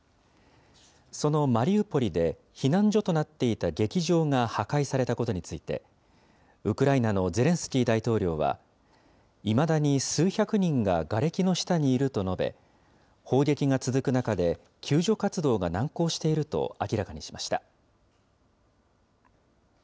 そのマリウポリで、避難所となっていた劇場が破壊されたことについて、ウクライナのゼレンスキー大統領は、いまだに数百人ががれきの下にいると述べ、砲撃が続く中で救助活動が難航していると明らかにしました。